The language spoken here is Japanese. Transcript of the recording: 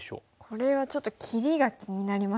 これはちょっと切りが気になりますね。